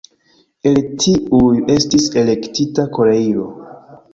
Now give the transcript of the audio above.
El tiuj estis elektita Koreio.